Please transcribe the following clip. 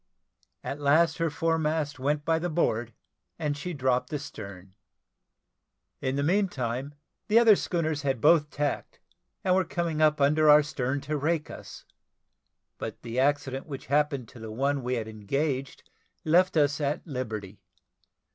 At last her foremast went by the board, and she dropped astern. In the meantime the other schooners had both tacked, and were coming up under our stern to rake us, but the accident which happened to the one we had engaged left us at liberty.